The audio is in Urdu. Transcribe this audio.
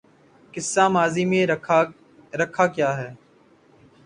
قصہ ماضی میں رکھا کیا ہے